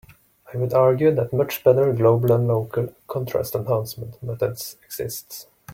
I would argue that much better global and local contrast enhancement methods exist.